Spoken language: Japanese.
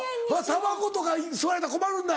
たばことか吸われたら困るんだ。